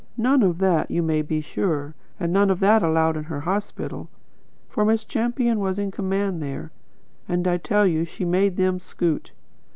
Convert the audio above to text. None of that, you may be sure, and none of that allowed in her hospital; for Miss Champion was in command there, and I can tell you she made them scoot.